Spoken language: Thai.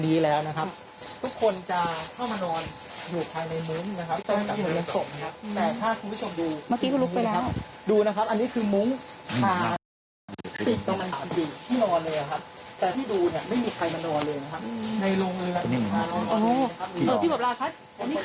ทุกคนจะเข้ามานอนอยู่ภายในมุมนะครับตรงจากทุนุชน์หรือศมนะครับ